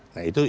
nah itu cvr nya